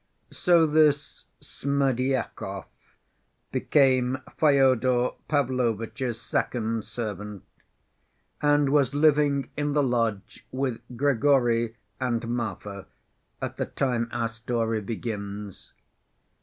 So this Smerdyakov became Fyodor Pavlovitch's second servant, and was living in the lodge with Grigory and Marfa at the time our story begins.